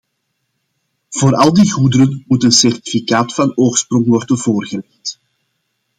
Voor al die goederen moet een certificaat van oorsprong worden voorgelegd.